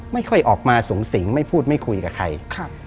ไม่ค่อยออกมาสูงสิงไม่พูดไม่คุยกับใคร